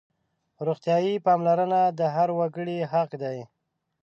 روغتیايي پاملرنه د هر وګړي حق دی.